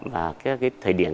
và các cái thời điểm